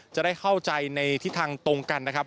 จะได้เข้าใจในทิศทางตรงกันนะครับ